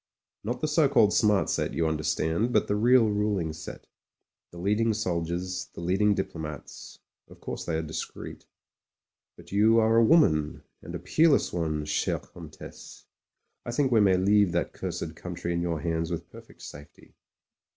Not the so called smart set, you understand; but the real ruling set — the leading soldiers, the leading diplomats. Of course they are discreet " "But you are a woman and a peerless one, chere Comtesse. I think we may leave that cursed country in your hands with perfect safety.